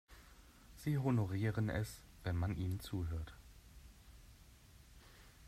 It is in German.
Sie honorieren es, wenn man ihnen zuhört.